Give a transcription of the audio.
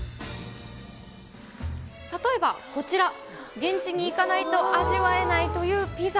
例えばこちら、現地に行かないと味わえないというピザ。